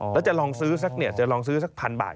แล้วจะลองซื้อสักเนี่ยจะลองซื้อสักพันบาท